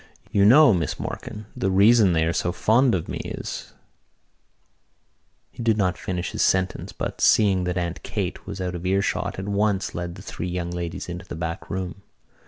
"You know, Miss Morkan, the reason they are so fond of me is——" He did not finish his sentence, but, seeing that Aunt Kate was out of earshot, at once led the three young ladies into the back room.